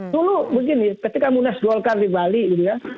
dulu begini ketika munas golkar di bali gitu ya